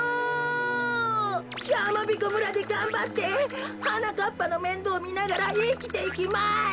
やまびこ村でがんばってはなかっぱのめんどうみながらいきていきます。